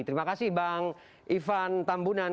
terima kasih bang ivan tambunan